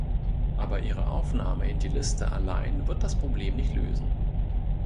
Aber ihre Aufnahme in die Liste allein wird das Problem nicht lösen.